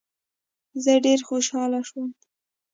زه ډېر خوشاله شوم.